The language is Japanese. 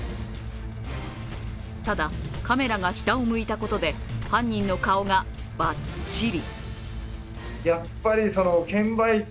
ただ、カメラが下を向いたことで犯人の顔がばっちり。